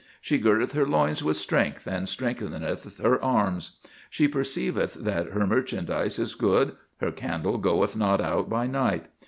She girdeth her loins with strength, and strengtheneth her arms. She perceiveth that her merchandise is good: her candle goeth not out by night.